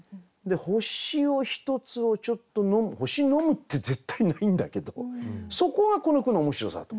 星をひとつをちょっと飲む星飲むって絶対ないんだけどそこがこの句の面白さだと思います。